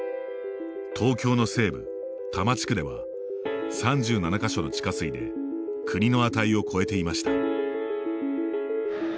東京の西部、多摩地区では３７か所の地下水で国の値を超えていました。